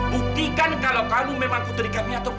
buktikan kalau kamu memang putri kami atau